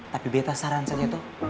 tapi beta saran saja toh